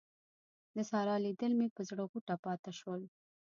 د سارا لیدل مې پر زړه غوټه پاته شول.